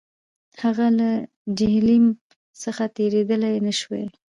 هغه له جیهلم څخه تېرېدلای نه شوای.